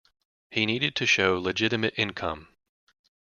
He needed to show legitimate income.